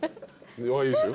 いいっすよ。